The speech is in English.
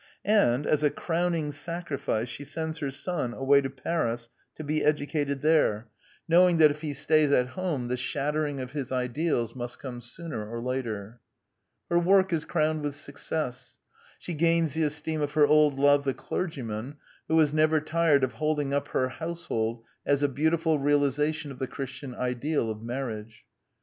And, as a crowning sacrifice, she sends her son away to Paris to be educated there, knowing The Anti Idealist Plays 95 that if he stays at home the shattering of his ideals must come sooner or later. Her work is crowned with success. She gains the esteem of her old love the clergyman, who is never tired of holding up her household as a beautiful realization of the Christian ideal of marriage.